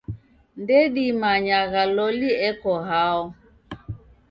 Ndedimanyagha loli eko hao.